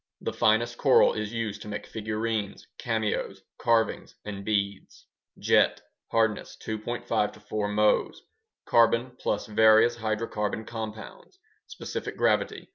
The finest coral is used to make figurines, cameos, carvings, and beads. Jet (hardness: 2.5 4 Mohs) Carbon plus various hydrocarbon compounds Specific gravity: 1.